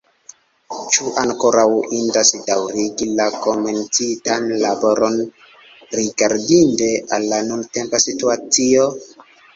Ĉu ankoraŭ indas daŭrigi la komencitan laboron rigardinte al la nuntempa situacio?